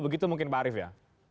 begitu mungkin pak arief ya